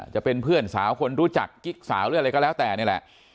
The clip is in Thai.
จะเป็นเพื่อนสาวคนรู้จักกิ๊กสาวหรืออะไรก็แล้วแต่นี่แหละ